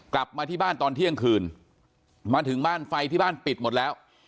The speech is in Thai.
กลับมาที่บ้านตอนเที่ยงคืนมาถึงบ้านไฟที่บ้านปิดหมดแล้ว